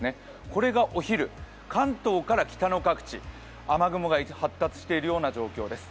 これがお昼、関東から北の各地雨雲が発達している状況です。